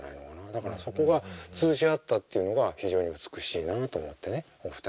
だからそこが通じ合ったというのが非常に美しいなと思ってねお二人のね。